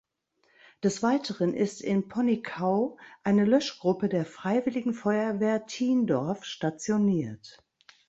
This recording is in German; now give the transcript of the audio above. Des Weiteren ist in Ponickau eine Löschgruppe der Freiwilligen Feuerwehr Thiendorf stationiert.